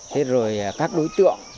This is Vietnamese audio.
thế rồi các đối tượng